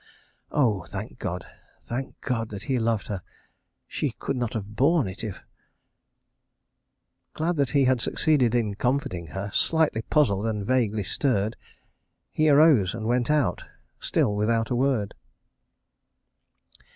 Oh, thank God; thank God, that he loved her ... she could not have borne it if ...Glad that he had succeeded in comforting her, slightly puzzled and vaguely stirred, he arose and went out, still without a word.